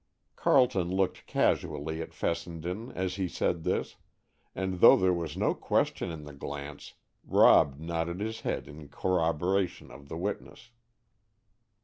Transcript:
Carleton looked casually at Fessenden as he said this, and though there was no question in the glance, Rob nodded his head in corroboration of the witness.